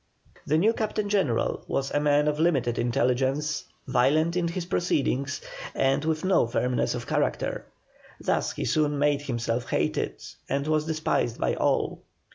The new Captain General was a man of limited intelligence, violent in his proceedings, and with no firmness of character. Thus he soon made himself hated, and was despised by all.